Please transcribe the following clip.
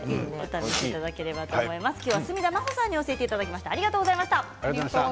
今日は角田真秀さんに教えていただきました。